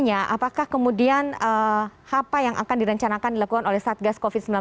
apakah kemudian apa yang akan direncanakan dilakukan oleh satgas covid sembilan belas